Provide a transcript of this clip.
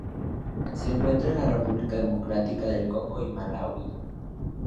Se encuentra en la República Democrática del Congo y Malaui.